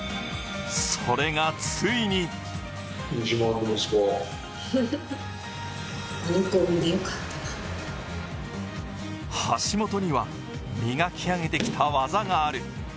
それがついに橋本には、磨き上げてきた技がある。